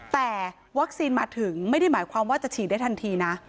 แต่วัคซีนมาถึงไม่ได้หมายความว่าจะฉีดได้ทันทีนะ